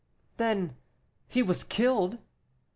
"Then, he was killed?"